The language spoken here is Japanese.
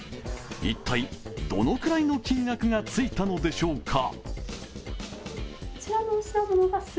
一体どのくらいの金額がついたのでしょうか？